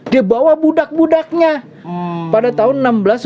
dia bawa budak budaknya pada tahun seribu enam ratus sembilan puluh tiga